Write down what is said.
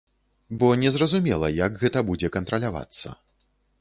Бо незразумела, як гэта будзе кантралявацца.